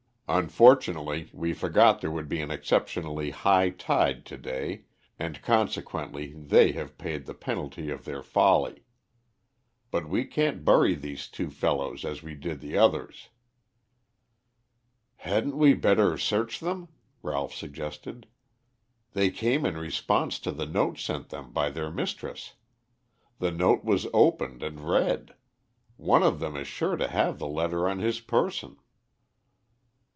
"Unfortunately, we forgot there would be an exceptionally high tide to day, and consequently they have paid the penalty of their folly. But we can't bury these two fellows as we did the others." "Hadn't we better search them?" Ralph suggested. "They came in response to the note sent them by their mistress. The note was opened and read. One of them is sure to have the letter on his person."